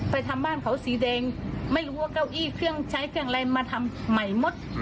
ทำบ้านเขาสีแดงไม่รู้ว่าเก้าอี้เครื่องใช้เครื่องอะไรมาทำใหม่หมด